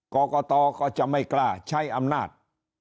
ก่อก่อต่อก็จะไม่กล้าใช้อำนาจ